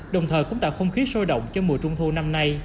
đồng thời cũng tạo không khí sôi động cho mùa trung thu năm nay